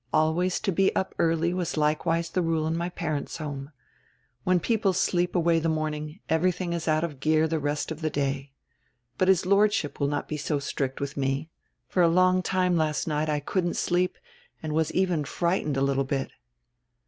Always to be up early was likewise die rule in my parents' home. When people sleep away die morning, everything is out of gear die rest of die day. But his Lordship will not be so strict with me. For a long time last night I couldn't sleep, and was even frightened a little bit."